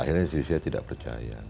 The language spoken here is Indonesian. akhirnya istri saya tidak percaya